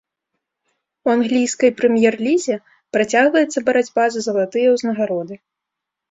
У англійскай прэм'ер-лізе працягваецца барацьба за залатыя ўзнагароды.